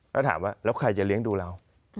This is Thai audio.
แล้วถามว่าแล้วใครจะเลี้ยงดูเรา